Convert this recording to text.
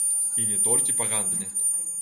І не толькі па гандлі.